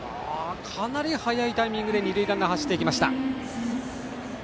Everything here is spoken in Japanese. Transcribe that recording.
かなり早いタイミングで二塁ランナー走っていきました。